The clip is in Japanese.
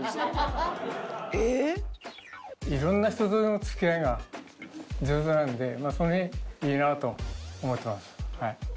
色んな人との付き合いが上手なのでその辺いいなと思ってます。